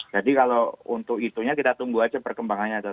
jadi kalau untuk itunya kita tunggu saja perkembangannya